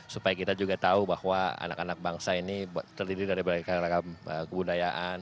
supaya kita juga tahu bahwa anak anak bangsa ini terdiri dari berbagai ragam kebudayaan